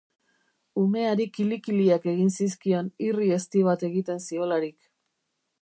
Umeari kili-kiliak egin zizkion, irri ezti bat egiten ziolarik.